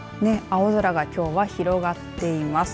青空がきょうは広がっています。